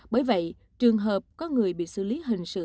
bởi vậy trường hợp có người bị xử lý hình sự